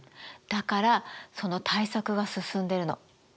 だからその対策が進んでるの。